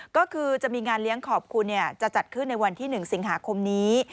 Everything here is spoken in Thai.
ก็คือจะมีงานเลี้ยงขอบคุณจะจัดขึ้นในวันที่๑สิงหาคมนี้